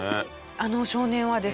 あの少年はですね